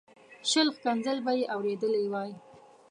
شل ښکنځل به یې اورېدلي وای.